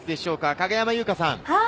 影山優佳さん！